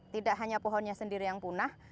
tidak hanya pohonnya sendiri yang punah